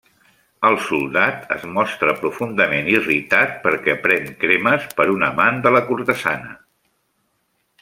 El soldat es mostra profundament irritat perquè pren Cremes per un amant de la cortesana.